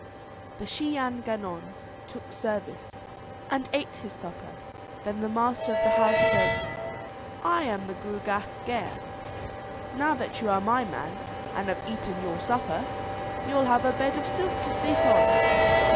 The Shee an Gannon took service, and ate his supper. Then the master of the house said: "I am the Gruagach Gaire; now that you are my man and have eaten your supper, you'll have a bed of silk to sleep on."